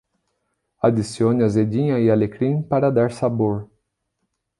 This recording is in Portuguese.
Adicione azedinha e alecrim para dar sabor